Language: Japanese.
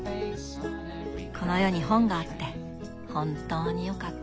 この世に本があって本当によかった。